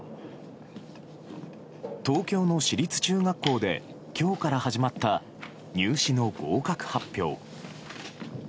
東京の私立中学校で今日から始まった入試の合格発表。